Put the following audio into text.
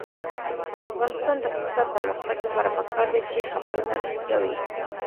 د افغانستان د اقتصادي پرمختګ لپاره پکار ده چې خبرونه رښتیا وي.